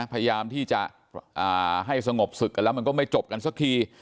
พยายามที่จะให้สงบศึกกันแล้วมันก็ไม่จบกันสักที